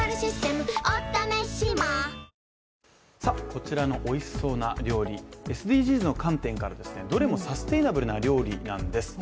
こちらのおいしそうな料理、ＳＤＧｓの観点からどれもサステイナブルな料理なんです。